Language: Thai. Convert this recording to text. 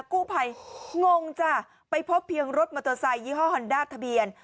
กู้ภัยงงจ้ะไปพบเพียงรถมอเตอร์ไซคยี่ห้อฮอนด้าทะเบียน